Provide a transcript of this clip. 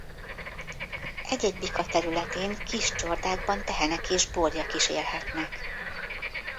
Egy-egy bika területén kis csordákban tehenek és borjak is élhetnek.